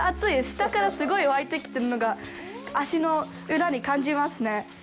下からすごい湧いてきてるのが足の裏に感じますね。